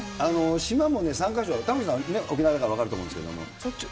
島もね、３か所、玉城さん、沖縄だから分かると思うんですけど。